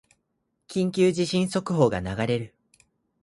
緊急地震速報が流れる